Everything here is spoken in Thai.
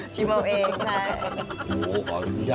ชิมเอาเองใช่